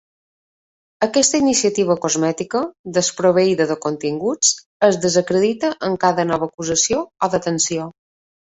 Aquesta iniciativa cosmètica, desproveïda de continguts, es desacredita amb cada nova acusació o detenció.